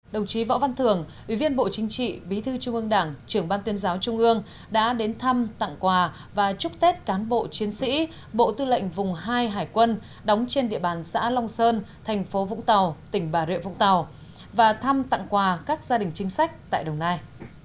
đồng chí võ văn thường ủy viên bộ chính trị bí thư trung ương đảng trưởng ban tuyên giáo trung ương đã đến thăm tặng quà và chúc tết cán bộ chiến sĩ bộ tư lệnh vùng hai hải quân đóng trên địa bàn xã long sơn thành phố vũng tàu tỉnh bà rịa vũng tàu và thăm tặng quà các gia đình chính sách tại đồng nai